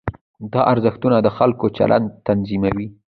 دا ارزښتونه د خلکو چلند تنظیموي.